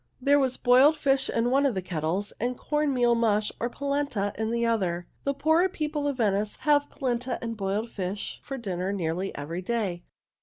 There was boiled fish in one of the kettles and corn meal mush, or polenta, in the other one. The poorer people of Venice have polenta and boiled fish for dinner nearly every day.